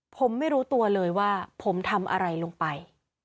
ผมไม่รู้ตัวเลยว่าผมทำอะไรลงไป